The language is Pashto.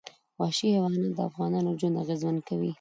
وحشي حیوانات د افغانانو ژوند اغېزمن کوي.